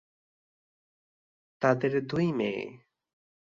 তাঁদের দুই মেয়ে।